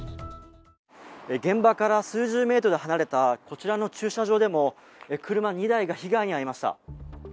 現場から数十メートル離れたこちらの駐車場でも、車２台が被害に遭いました。